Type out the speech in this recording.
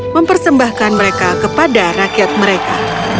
mempersembahkan mereka kepada rakyat mereka